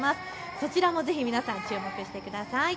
そちらもぜひ皆さん注目してください。